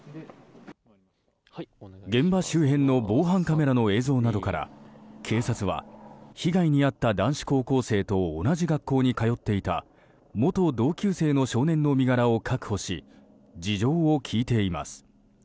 現場周辺の防犯カメラの映像などから警察は被害に遭った男子高校生と同じ学校に通っていた元同級生の少年の身柄を確保し事情を聴いています。